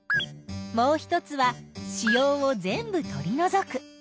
もう一つは子葉を全部とりのぞく。